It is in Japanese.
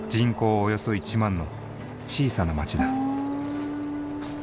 およそ１万の小さな町だ。